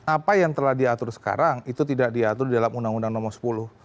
apa yang telah diatur sekarang itu tidak diatur dalam undang undang nomor sepuluh